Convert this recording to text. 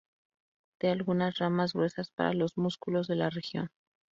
Da algunas ramas gruesas para los músculos de la región.